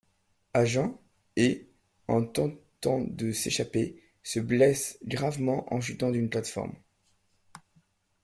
Agent, et, en tentant de s'échapper, se blesse gravement en chutant d'une plateforme.